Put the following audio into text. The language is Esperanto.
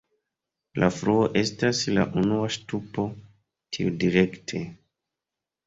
La fluo estas la unua ŝtupo tiudirekte.